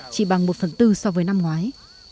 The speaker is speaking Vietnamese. chỉ bằng một phần tư so với năm ngoái